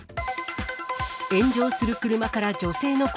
炎上する車から女性の声。